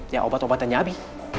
ya obat obatannya abi